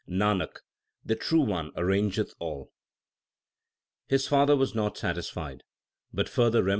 Nanak, the True One arrangeth all. 4 His father was not satisfied, but further remon 1 Sorath.